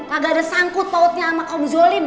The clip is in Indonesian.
kagak ada sangkut tautnya ama kaum zolim